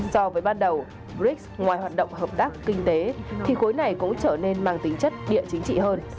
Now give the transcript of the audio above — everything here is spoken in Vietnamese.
so với ban đầu brics ngoài hoạt động hợp tác kinh tế thì khối này cũng trở nên mang tính chất địa chính trị hơn